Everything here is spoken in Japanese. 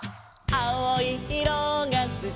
「あおいいろがすき」